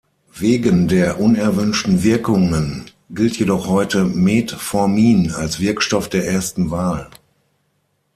Wegen der unerwünschten Wirkungen gilt jedoch heute Metformin als Wirkstoff der ersten Wahl.